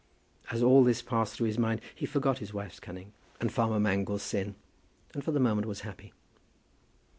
As all this passed through his mind, he forgot his wife's cunning, and farmer Mangle's sin, and for the moment he was happy.